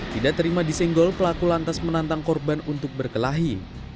tidak terima disenggol pelaku lantas menantang korban untuk berkelahi